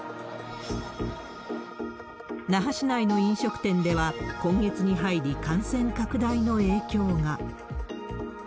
那覇市内の飲食店では、今月に入り、感染拡大の影響が。